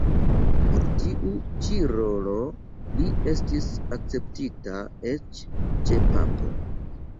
Por tiu ĉi rolo li estis akceptita eĉ ĉe papo.